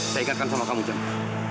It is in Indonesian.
saya ingatkan sama kamu jangan